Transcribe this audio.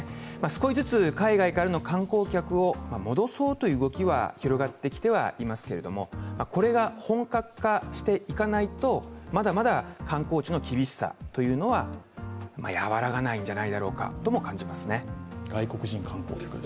少しずつ海外からの観光客を戻そうという動きは広がってきてはいますが、これが本格化していかないと、まだまだ観光地の厳しさは和らがないんじゃないかとも思います。